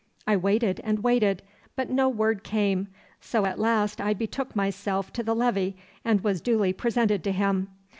I waited and waited, but no word came, so at last I betook myself to the levee and was duly presented to him.